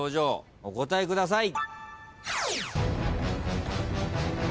お答えください。